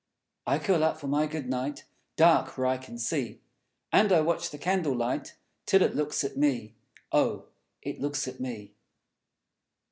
I curl up for my good night, Dark, where I can see. And I watch the Candle light Till It looks at me, Oh, It looks at me!